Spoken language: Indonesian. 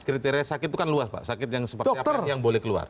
kriteria sakit itu kan luas pak sakit yang seperti apa yang boleh keluar